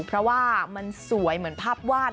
เพราะว่ามันสวยเหมือนภาพวาด